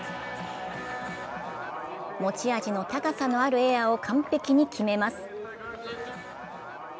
持ち味の高さのあるエアを完璧に決めます。